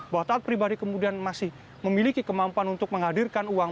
bahwa taat pribadi kemudian masih memiliki kemampuan untuk menghadirkan uang